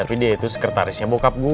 tapi dia itu sekretarisnya bokap gue